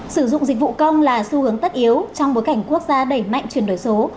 sử dụng dịch vụ công là xu hướng tất yếu trong bối cảnh quốc gia đẩy mạnh chuyển đổi số